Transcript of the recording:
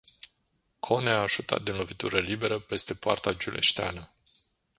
Kone a șutat din lovitură liberă peste poarta giuleșteană.